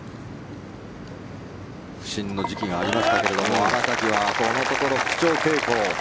不振の時期がありましたが新垣はこのところ復調傾向。